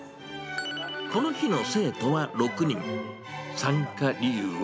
この日の生徒は６人。